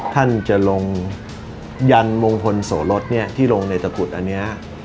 ท่านจะลงยันมงคลโสรสที่ลงในตะกุดอันนี้